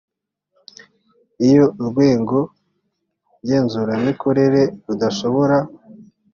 iyo urwego ngenzuramikorere rudashobora